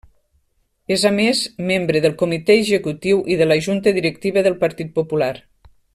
És a més, membre del Comitè Executiu i de la Junta Directiva del Partit Popular.